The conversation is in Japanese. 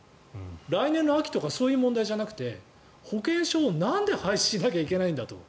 来年の秋とかそういう問題じゃなくて保険証をなんで廃止しないといけないんだと。